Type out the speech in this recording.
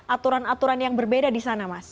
aturan aturan yang berbeda di sana mas